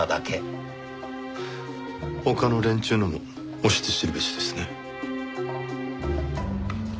他の連中のも推して知るべしですね。